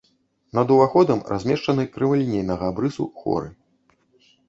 Над уваходам размешчаны крывалінейнага абрысу хоры.